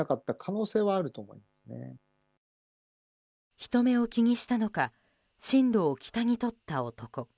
人目を気にしたのか進路を北にとった男。